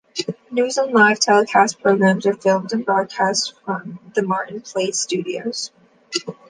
News and live telecast programs are filmed and broadcast from the Martin Place studios.